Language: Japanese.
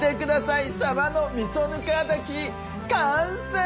さばのみそぬか床炊き完成！